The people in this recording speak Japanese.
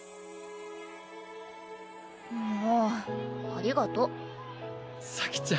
もうありがと咲ちゃん。